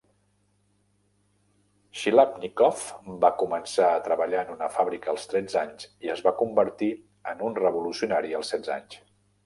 Xliàpnikov va començar a treballar en una fàbrica als tretze anys i es va convertir en un revolucionari als setze anys.